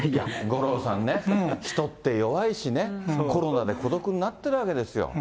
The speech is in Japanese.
五郎さんね、人って弱いしね、コロナで孤独になってるわけなんですよ。